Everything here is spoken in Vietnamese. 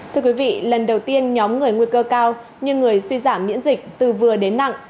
thưa quý vị lần đầu tiên nhóm người nguy cơ cao như người suy giảm miễn dịch từ vừa đến nặng